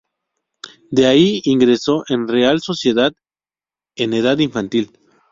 De ahí ingresó en la Real Sociedad en edad infantil.